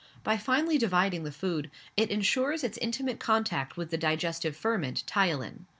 By finely dividing the food, it ensures its intimate contact with the digestive ferment, ptyalin.